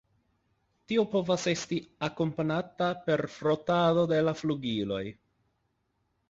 Tio povas esti akompanata per frotado de la flugiloj.